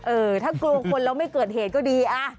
เออถ้ากลัวคนแล้วไม่เกิดเหตุก็ดี